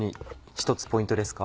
１つポイントですか？